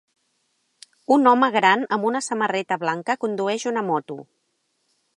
Un home gran amb una samarreta blanca condueix una moto.